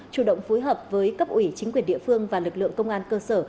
chủ động phối hợp với cấp ủy chính quyền địa phương và lực lượng công an cơ sở